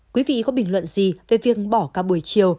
quý vị có bình luận gì về việc bỏ ca bồi chiều